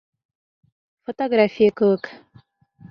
Фотография кеүек.